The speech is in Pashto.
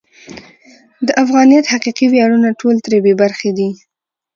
د افغانیت حقیقي ویاړونه ټول ترې بې برخې دي.